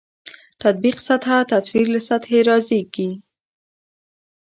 تطبیق سطح تفسیر له سطحې رازېږي.